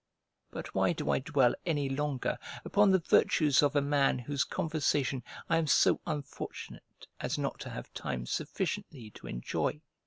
But why do I dwell any longer upon the virtues of a man whose conversation I am so unfortunate as not to have time sufficiently to enjoy?